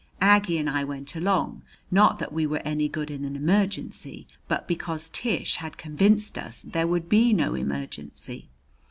Aggie and I went along, not that we were any good in emergency, but because Tish had convinced us there would be no emergency.